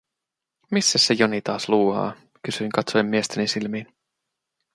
“Missäs se Joni taas luuhaa?”, kysyin katsoen miestäni silmiin.